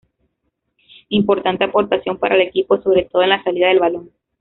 Importante aportación para el equipo sobre todo en la salida de balón.